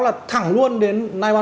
là thẳng luôn đến chín trăm một mươi một